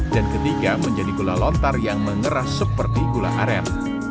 dan ketiga menjadi gula lontar yang mengerah seperti gula aren